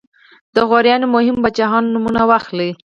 د غوریانو مهمو پاچاهانو نومونه واخلئ.